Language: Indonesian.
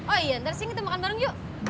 oh iya ntar sini kita makan bareng yuk